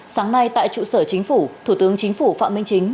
sáng nay tại trụ sở chính phủ thủ tướng chính phủ phạm minh chính